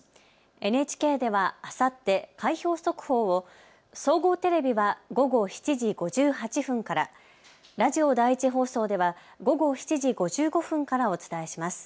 ＮＨＫではあさって、開票速報を総合テレビは午後７時５８分から、ラジオ第１放送では午後７時５５分からお伝えします。